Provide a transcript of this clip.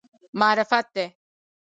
معرفت دی.